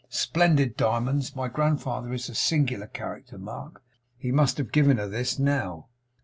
'Splendid diamonds! My grandfather is a singular character, Mark. He must have given her this now.